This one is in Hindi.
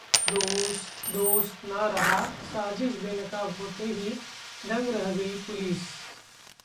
दोस्त दोस्त ना रहा...साजिश बेनकाब होते ही दंग रह गई पुलिस!